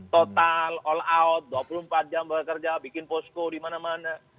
total all out dua puluh empat jam bekerja bikin posko di mana mana